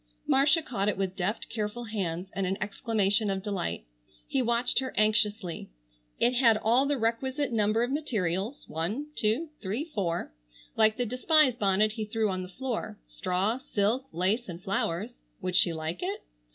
Marcia caught it with deft careful hands and an exclamation of delight. He watched her anxiously. It had all the requisite number of materials,—one, two, three, four,—like the despised bonnet he threw on the floor—straw, silk, lace and flowers. Would she like it?